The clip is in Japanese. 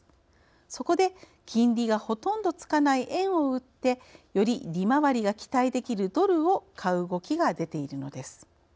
そこで金利がほとんどつかない円を売ってより利回りが期待できるドルを買う動きが出ているのです。